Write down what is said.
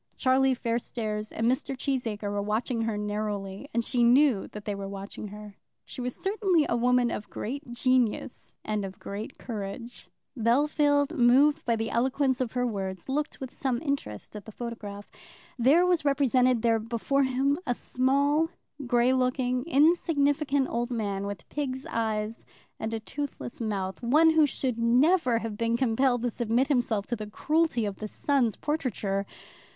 Charlie Fairstairs and Mr. Cheesacre were watching her narrowly, and she knew that they were watching her. She was certainly a woman of great genius and of great courage. [Illustration: "Dear Greenow; dear husband!"] Bellfield, moved by the eloquence of her words, looked with some interest at the photograph. There was represented there before him, a small, grey looking, insignificant old man, with pig's eyes and a toothless mouth, one who should never have been compelled to submit himself to the cruelty of the sun's portraiture!